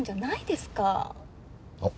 あっ。